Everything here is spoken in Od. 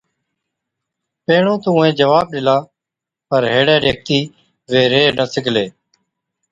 پيهڻُون تہ اُونهَين جواب ڏِلا، پَر هيڙَي ڏيکتِي وي ريه نہ سِگھلي